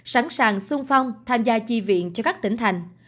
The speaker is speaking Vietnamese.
sẵn sàng sung phong tham gia chi viện cho các tỉnh thành